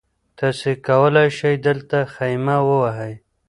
تاسي کولای شئ دلته خیمه ووهئ.